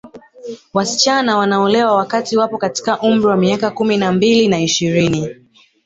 Wasichana wanaolewa wakati wapo kati ya umri wa miaka kumi na mbili na ishirini